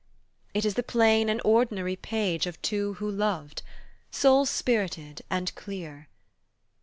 It is the plain and ordinary page Of two who loved, sole spirited and clear.